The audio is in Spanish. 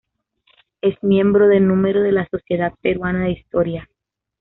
Es miembro de número de la Sociedad Peruana de Historia.